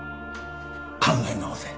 考え直せ。